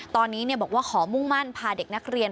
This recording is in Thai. ตอนนี้บอกว่าขอมุ่งมั่นพาเด็กนักเรียน